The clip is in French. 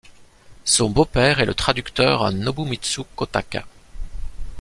Son beau-père est le traducteur Nobumitsu Kotaka.